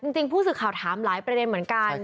จริงผู้สื่อข่าวถามหลายประเด็นเหมือนกัน